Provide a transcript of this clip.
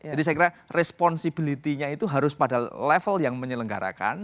jadi saya kira responsibilitinya itu harus pada level yang menyelenggarakan